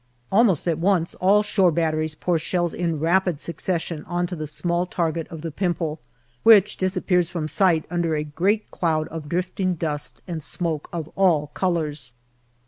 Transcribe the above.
Almost at once all shore batteries pour shells in rapid succession on to the small target of the Pimple, which DECEMBER 287 disappears from sight under a great cloud of drifting dust and smoke of all colours.